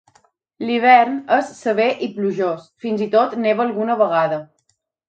L'hivern és sever i plujós, fins i tot neva alguna vegada.